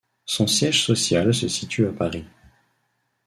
Son siège social se situe à Paris.